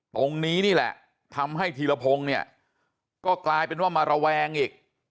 ตรงนี้นี่แหละทำให้ธีรพงศ์เนี่ยก็กลายเป็นว่ามาระแวงอีก